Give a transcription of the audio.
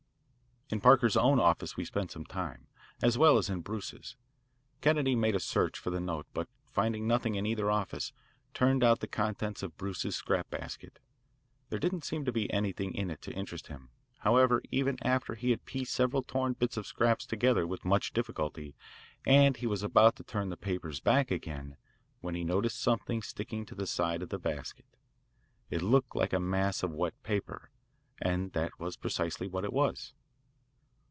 In Parker's own office we spent some time, as well as in Bruce's. Kennedy made a search for the note, but finding nothing in either office, turned out the contents of Bruce's scrap basket. There didn't seem to be anything in it to interest him, however, even after he had pieced several torn bits of scraps together with much difficulty, and he was about to turn the papers back again, when he noticed something sticking to the side of the basket. It looked like a mass of wet paper, and that was precisely what it was.